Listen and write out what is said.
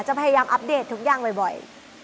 พยายามอัปเดตทุกอย่างบ่อย